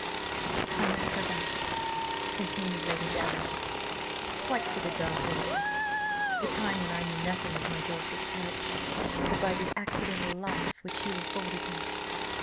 "I must go back," continued Lady Davenant, "quite to the dark ages, the time when I knew nothing of my daughter's character but by the accidental lights which you afforded me.